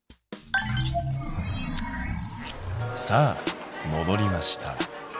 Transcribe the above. さあもどりました。